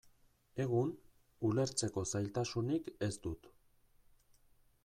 Egun, ulertzeko zailtasunik ez dut.